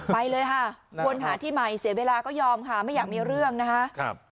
ไปเลยค่ะวนหาที่ใหม่เสียเวลาก็ยอมค่ะไม่อยากมีเรื่องนะคะ